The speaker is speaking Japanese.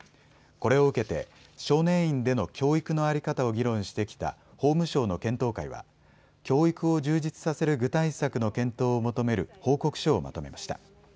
これを受けて少年院での教育の在り方を議論してきた法務省の検討会は教育を充実させる具体策の検討を求める報告書をまとめました。